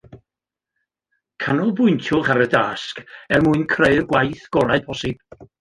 Canolbwyntiwch ar y dasg er mwyn creu'r gwaith gorau posib